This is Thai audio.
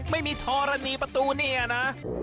ไม่มีธรณีประตูเนี่ยนะ